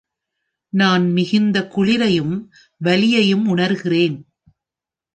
நான் மிகுந்த குளிரையும் வலியையும் உணர்கிறேன்.